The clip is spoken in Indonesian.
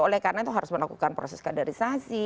oleh karena itu harus melakukan proses kaderisasi